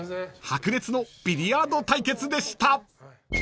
［白熱のビリヤード対決でした］